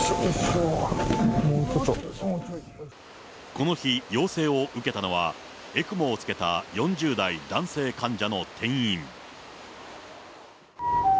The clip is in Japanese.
この日、要請を受けたのは、ＥＣＭＯをつけた４０代男性患者の転院。